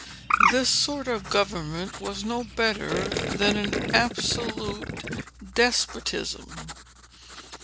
This sort of government was no better than an absolute despotism.